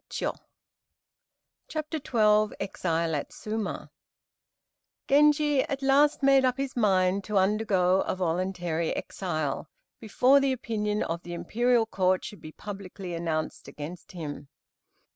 ] CHAPTER XII EXILE AT SUMA Genji at last made up his mind to undergo a voluntary exile, before the opinion of the Imperial Court should be publicly announced against him.